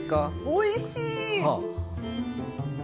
おいしい！